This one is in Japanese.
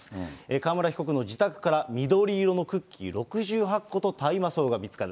川村被告の自宅から、緑色のクッキー６８個と大麻草が見つかる。